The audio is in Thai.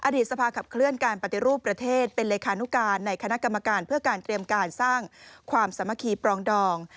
สภาขับเคลื่อนการปฏิรูปประเทศเป็นเลขานุการในคณะกรรมการเพื่อการเตรียมการสร้างความสามัคคีปรองดอง